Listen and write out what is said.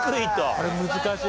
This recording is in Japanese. これ難しい。